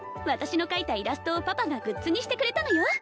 私の描いたイラストをパパがグッズにしてくれたのよ